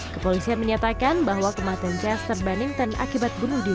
kepolisian menyatakan bahwa kematian chester banington akibat bunuh diri